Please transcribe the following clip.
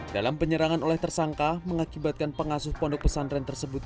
dalam penyerangan oleh tersangka mengakibatkan pengasuh pondok pesantren tersebut